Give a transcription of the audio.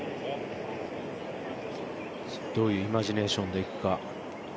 どういうイマジネーションでいくか。